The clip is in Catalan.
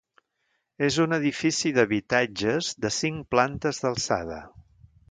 És un edifici d'habitatges de cinc plantes d'alçada.